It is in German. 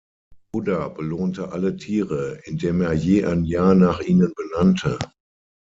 Buddha belohnte alle Tiere, indem er je ein Jahr nach ihnen benannte.